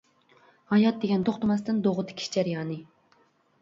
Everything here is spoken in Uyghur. ھايات دېگەن توختىماستىن دوغا تىكىش جەريانى.